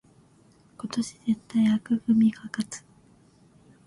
今年絶対紅組が勝つ